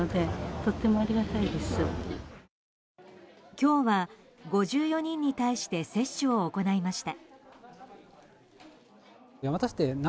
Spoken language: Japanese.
今日は５４人に対して接種を行いました。